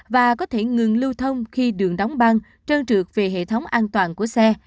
và có thể ngừng lưu thông khi đường đóng băng trơn trượt về hệ thống an toàn của xe